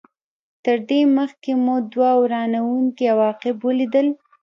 تر دې مخکې مو دوه ورانوونکي عواقب ولیدل.